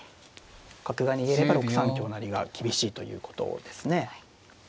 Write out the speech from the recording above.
角が逃げれば６三香成が厳しいということですね。